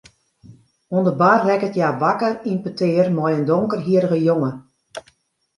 Oan de bar rekket hja wakker yn petear mei in donkerhierrige jonge.